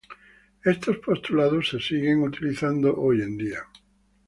Estos postulados se siguen utilizando hoy en día.